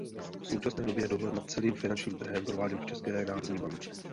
V současné době je dohled nad celým finančním trhem prováděn v České národní bance.